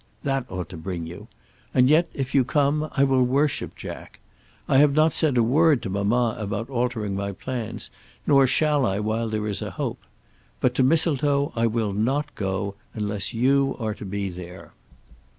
That ought to bring you. And yet, if you come, I will worship Jack. I have not said a word to mamma about altering my plans, nor shall I while there is a hope. But to Mistletoe I will not go, unless you are to be there.